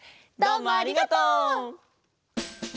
どうもありがとう！